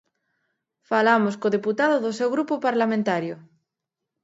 Falamos co deputado do seu grupo parlamentario.